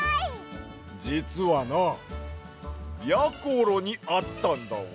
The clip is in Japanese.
じつはなやころにあったんだわ。